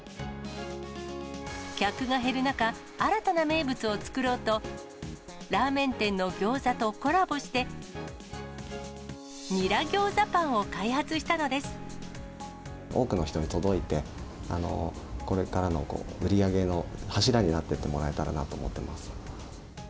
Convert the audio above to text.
客が減る中、新たな名物を作ろうと、ラーメン店のギョーザとコラボして、多くの人に届いて、これからの売り上げの柱になっていってもらえたらなと思っています。